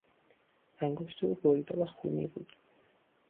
انگشت او بریده و خونی بود.